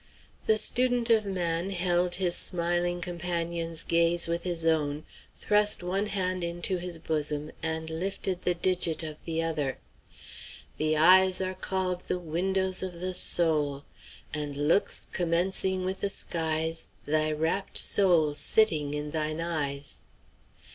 The student of man held his smiling companion's gaze with his own, thrust one hand into his bosom, and lifted the digit of the other: "The eyes are called the windows of the soul, 'And looks commercing with the skies, Thy rapt soul sitting in thine eyes.'